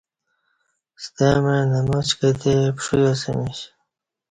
ستمع نماچ کتےپݜویاسمیش